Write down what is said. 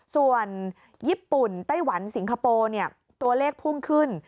ส่วนญี่ปุ่นไต้หวันสิงคโปร์ตัวเลขพุ่งขึ้น